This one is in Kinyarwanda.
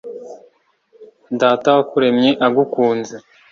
data wakuremye agukunze